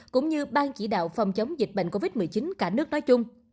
cũng như ban chỉ đạo phòng chống dịch bệnh covid một mươi chín cả nước nói chung